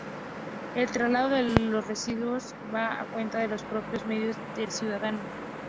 El traslado de los residuos va a cuenta de los propios medios del ciudadano.